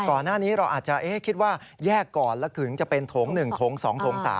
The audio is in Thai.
ก่อนหน้านี้เราอาจจะคิดว่าแยกก่อนแล้วถึงจะเป็นโถง๑โถง๒โถง๓